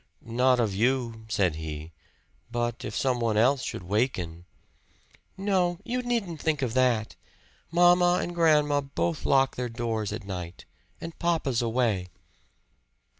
"Not of you," said he. "But if some one else should waken." "No, you needn't think of that. Mamma and grandma both lock their doors at night. And papa's away."